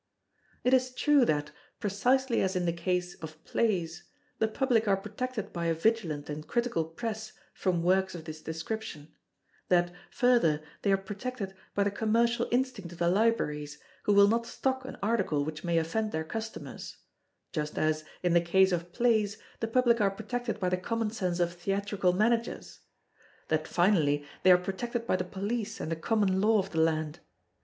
It is true that, precisely as in the case of Plays, the Public are protected by a vigilant and critical Press from works of this description; that, further, they are protected by the commercial instinct of the Libraries, who will not stock an article which may offend their customers—just as, in the case of Plays, the Public are protected by the common sense of theatrical Managers; that, finally, they are protected by the Police and the Common Law of the land.